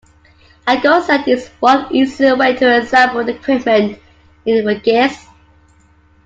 A go set is one easy way to assemble the equipment needed for gess.